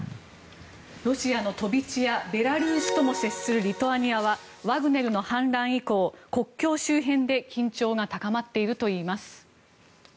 ロシアの飛び地やベラルーシとも接するリトアニアはワグネルの反乱以降、国境周辺で緊張が高まっているといいます。